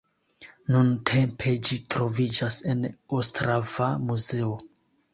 Nuntempe ĝi troviĝas en Ostrava muzeo.